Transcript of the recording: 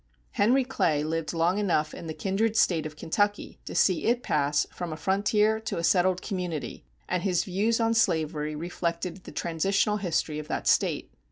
Henry Clay lived long enough in the kindred State of Kentucky to see it pass from a frontier to a settled community, and his views on slavery reflected the transitional history of that State.